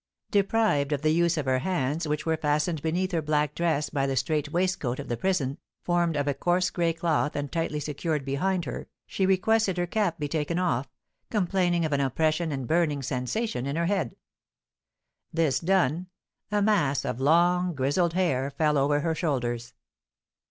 Deprived of the use of her hands, which were fastened beneath her black dress by the strait waistcoat of the prison, formed of coarse gray cloth and tightly secured behind her, she requested her cap might be taken off, complaining of an oppression and burning sensation in her head; this done, a mass of long, grizzled hair fell over her shoulders.